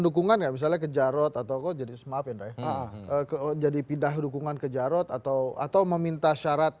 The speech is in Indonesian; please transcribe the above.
dukungan nggak misalnya ke jarod atau kau jadi pindah dukungan ke jarod atau atau meminta syarat